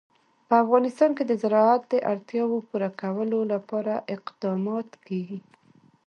په افغانستان کې د زراعت د اړتیاوو پوره کولو لپاره اقدامات کېږي.